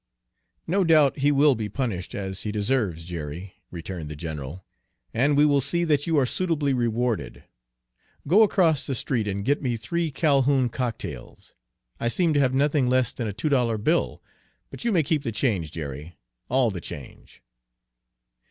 "No doubt he will be punished as he deserves, Jerry," returned the general, "and we will see that you are suitably rewarded. Go across the street and get me three Calhoun cocktails. I seem to have nothing less than a two dollar bill, but you may keep the change, Jerry, all the change."